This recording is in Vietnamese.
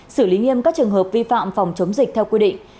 xử lý nghiêm các trường hợp vi phạm phòng chống dịch theo quy định